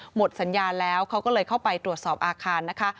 หมดสัญญาแล้วเขาก็เลยเข้าไปตรวจสอบอาคารนะคะ